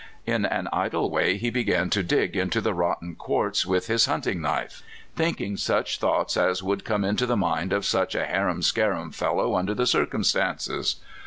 In an idle way he bega.n to dig into the rot ten quartz with his hunting knife, thinking such thoughts as would come into the mind of such a harum scarum fellow under the circumstances.